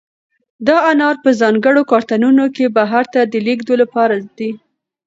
دا انار په ځانګړو کارتنونو کې بهر ته د لېږد لپاره دي.